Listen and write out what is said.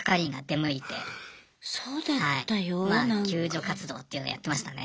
まあ救助活動っていうのをやってましたね。